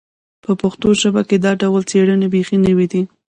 په پښتو ژبه کې دا ډول څېړنې بیخي نوې دي